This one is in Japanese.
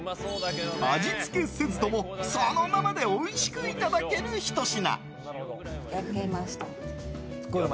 味付けせずとも、そのままでおいしくいただけるひと品。